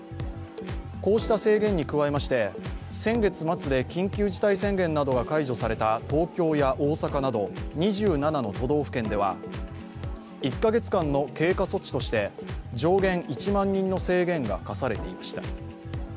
こうした制限に加えまして、先月末で緊急事態宣言などが解除された東京や大阪など、２７の都道府県では１カ月間の経過措置として、上限１万人の制限が課されていました。